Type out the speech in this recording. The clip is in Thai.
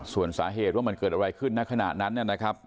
ส่วนสาเหตุว่ามันเกิดอะไรขึ้นณขณะนั้นนะครับ